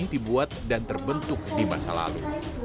yang dibuat dan terbentuk di masa lalu